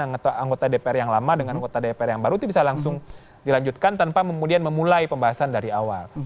anggota dpr yang lama dengan anggota dpr yang baru itu bisa langsung dilanjutkan tanpa kemudian memulai pembahasan dari awal